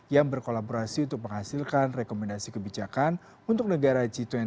yang berkolaborasi untuk menghasilkan rekomendasi kebijakan untuk negara g dua puluh